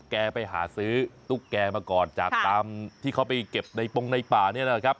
ไปหาซื้อตุ๊กแกมาก่อนจากตามที่เขาไปเก็บในปงในป่าเนี่ยนะครับ